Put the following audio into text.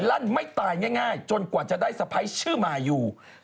ลั่นไม่ตายง่ายจนกว่าจะได้สะพ้ายชื่อมายู